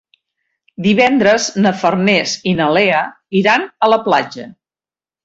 Divendres na Farners i na Lea iran a la platja.